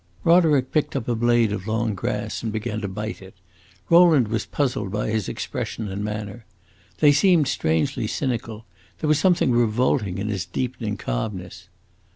Roderick picked up a blade of long grass and began to bite it; Rowland was puzzled by his expression and manner. They seemed strangely cynical; there was something revolting in his deepening calmness.